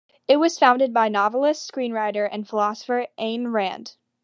It was founded by novelist, screenwriter, and philosopher Ayn Rand.